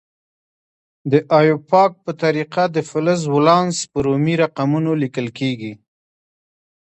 د ایوپاک په طریقه د فلز ولانس په رومي رقمونو لیکل کیږي.